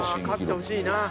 勝ってほしいな。